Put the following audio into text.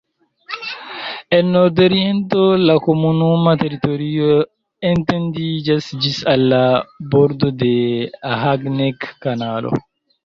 En nordoriento la komunuma teritorio etendiĝas ĝis al la bordo de la Hagneck-Kanalo.